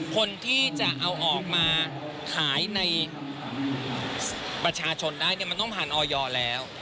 คนที่จะเอาออกมาขายในประชาชนได้เนี่ยมันต้องผ่านออยแล้ว